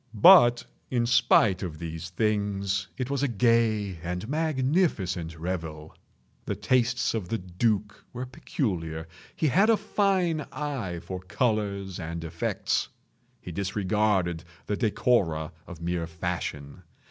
But, in spite of these things, it was a gay and magnificent revel. The tastes of the duke were peculiar. He had a fine eye for colors and effects. He disregarded the decora of mere fashion.